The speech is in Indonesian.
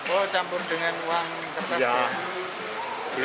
oh campur dengan uang tertentu